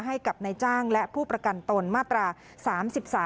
ให้กับนายจ้างและผู้ประกันตนมาตรา๓๓